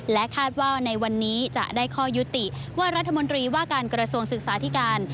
คาดว่าในวันนี้จะได้ข้อยุติว่ารัฐมนตรีว่าการกระทรวงศึกษาธิการ